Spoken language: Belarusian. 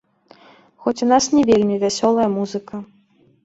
Хоць у нас не вельмі вясёлая музыка.